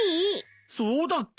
そうだっけ？